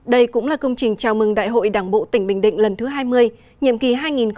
đây cũng là công trình chào mừng đại hội đảng bộ tỉnh bình định lần thứ hai mươi nhiệm kỳ hai nghìn hai mươi hai nghìn hai mươi năm